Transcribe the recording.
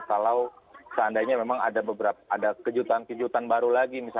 kalau seandainya memang ada beberapa ada kejutan kejutan baru lagi